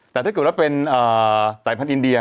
แต่ถ้าเกิดแล้วเป็นไตรผัดอินเดีย